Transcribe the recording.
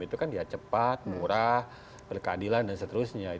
itu kan ya cepat murah berkeadilan dan seterusnya